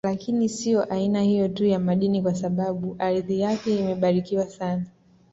Lakini siyo aina hiyo tu ya madini kwa sababu ardhi yake imebarikiwa sana